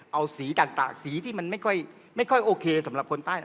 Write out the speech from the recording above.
เอาสีต่างสีที่มันไม่ค่อยโอเคสำหรับคนใต้